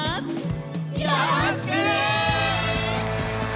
よろしくね！